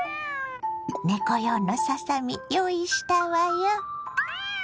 猫用のささみ用意したわよ。